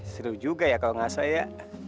seru juga ya kalau gak saya